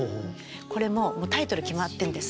これもうタイトル決まってるんです。